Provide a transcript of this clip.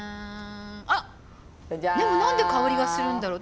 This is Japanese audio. あっでも何で香りがするんだろう。